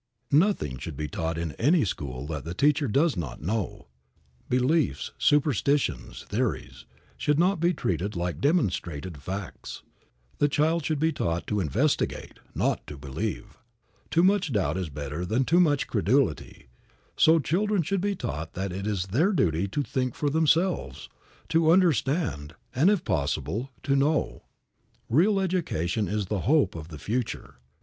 Nothing should be taught in any school that the teacher does not know. Beliefs, superstitions, theories, should not be treated like demonstrated facts. The child should be taught to investigate, not to believe. Too much doubt is better than too much credulity. So, children should be taught that it is their duty to think for themselves, to understand, and, if possible, to know. Real education is the hope of the future.